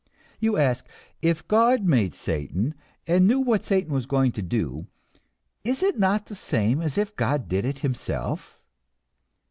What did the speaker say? You ask, if God made Satan, and knew what Satan was going to do, is it not the same as if God did it himself?